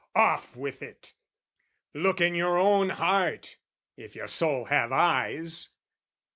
Off with it! Look in your own heart, if your soul have eyes!